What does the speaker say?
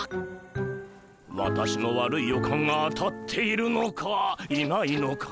私の悪い予感が当たっているのかいないのか。